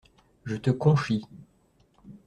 Je te conchie.